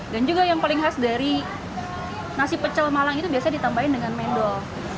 dan juga yang paling khas dari nasi pecel malang itu biasanya ditambahin dengan mendol